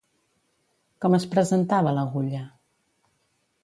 Com es presentava l'agulla?